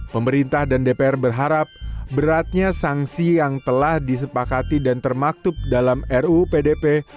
pemerintah dan dpr berharap beratnya sanksi yang telah disepakati dan termaktub dalam ruu pdp